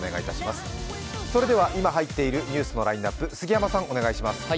それでは今入っているニュースのラインナップ、杉山さん、お願いします。